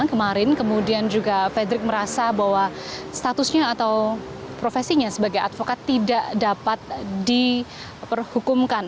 kemarin kemudian juga fredrik merasa bahwa statusnya atau profesinya sebagai advokat tidak dapat diperhukumkan